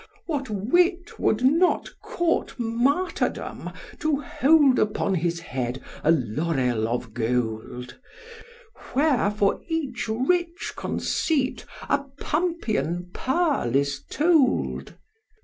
What wit would not court martyrdom to hold Upon his head a laurel of gold, Where for each rich conceit a Pumpion pearl is told: III.